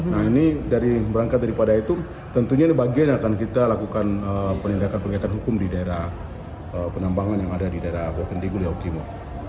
nah ini dari berangkat daripada itu tentunya bagian akan kita lakukan penyelidikan penyelidikan hukum di daerah penambangan yang ada di daerah boven di goel yahukibo